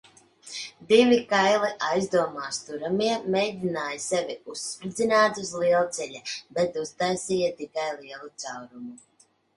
Divi kaili aizdomās turamie mēģināja sevi uzspridzināt uz lielceļa, bet uztaisīja tikai lielu caurumu.